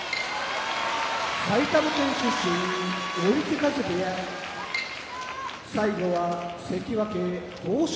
埼玉県出身追手風部屋関脇豊昇